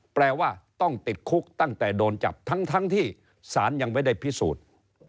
แปลว่าต้องติดคุกตั้งแต่โดนจับทั้งที่สารยังไม่ได้พิสูจน์